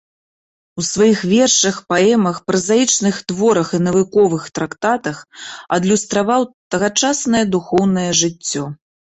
У сваіх вершах, паэмах, празаічных творах і навуковых трактатах адлюстраваў тагачаснае духоўнае жыццё.